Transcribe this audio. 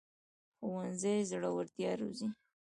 ښوونځی زړورتیا روزي